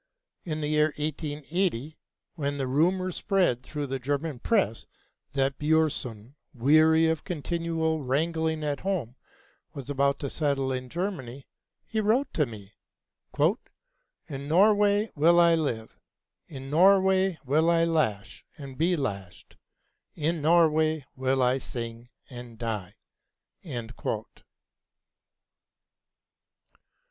In the year 1880, when the rumor spread through the German press that Björnson, weary of continual wrangling at home, was about to settle in Germany, he wrote to me: "In Norway will I live, in Norway will I lash and be lashed, in Norway will I sing and die."